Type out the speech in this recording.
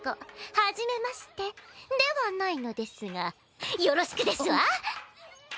はじめましてではないのですがよろしくですわ！